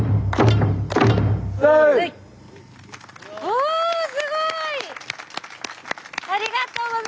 おすごい！